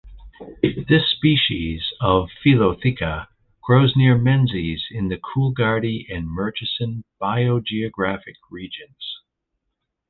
This species of philotheca grows near Menzies in the Coolgardie and Murchison biogeographic regions.